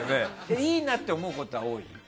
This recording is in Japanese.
いいなって思うことは多い？